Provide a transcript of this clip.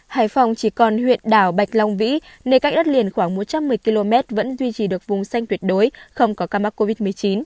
hải phòng chỉ còn huyện đảo bạch long vĩ nơi cách đất liền khoảng một trăm một mươi km vẫn duy trì được vùng xanh tuyệt đối không có ca mắc covid một mươi chín